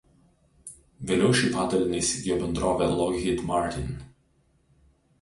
Vėliau šį padalinį įsigijo bendrovė „Lockheed Martin“.